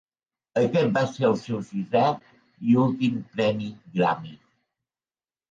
Aquest va ser el seu sisè i últim premi Grammy.